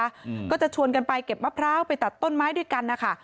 อืมก็จะชวนกันไปเก็บมะพร้าวไปตัดต้นไม้ด้วยกันนะคะ